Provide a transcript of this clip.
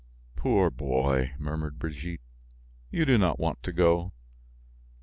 "Poor boy!" murmured Brigitte; "you do not want to go?"